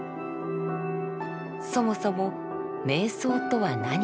そもそも瞑想とは何か。